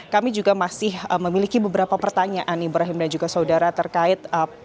kami juga masih memiliki beberapa pertanyaan ibrahim dan juga saudara terkait